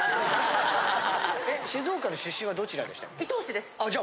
静岡の出身はどちらでしたっけ？